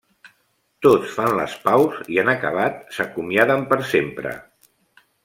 Tots fan les paus i, en acabat, s'acomiaden per sempre.